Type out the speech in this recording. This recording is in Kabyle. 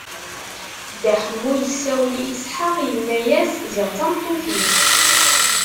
Dda Ḥemmu isawel i Isḥaq, inna-as: Ziɣ d tameṭṭut-ik!